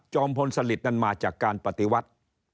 พลสลิตนั้นมาจากการปฏิวัติ